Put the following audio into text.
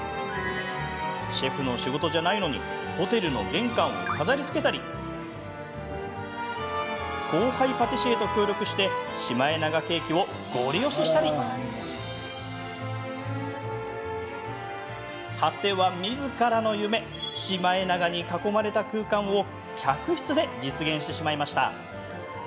シェフの仕事じゃないのにホテルの玄関を飾りつけたり後輩パティシエと協力してシマエナガケーキをごり押ししたり果ては、みずからの夢シマエナガに囲まれた空間を客室で実現してしまいました。